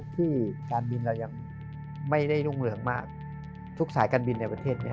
ภูมิเราก็ทำกว่า